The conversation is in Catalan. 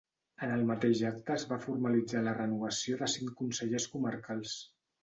En el mateix acte es va formalitzar la renovació de cinc consellers comarcals.